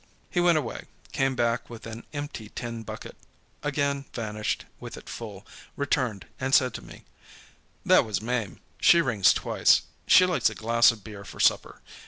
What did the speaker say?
He went away; came back with an empty tin bucket; again vanished with it full; returned and said to me: "That was Mame. She rings twice. She likes a glass of beer for supper.